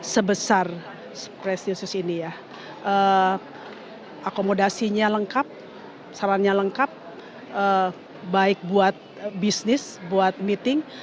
sebesar prestius ini ya akomodasinya lengkap sarannya lengkap baik buat bisnis buat meeting